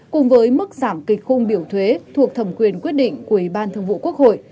cùng với mức giảm kịch khung biểu thuế thuộc thẩm quyền quyết định của ủy ban thường vụ quốc hội